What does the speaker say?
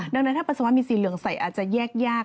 ดังนั้นถ้าปัสสาวะมีสีเหลืองใส่อาจจะแยกยาก